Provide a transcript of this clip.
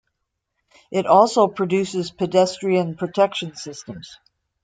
It also produces pedestrian protection systems.